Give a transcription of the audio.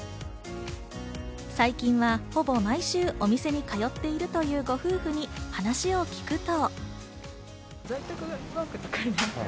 最近はほぼ毎週、お店に通っているというご夫婦に話を聞くと。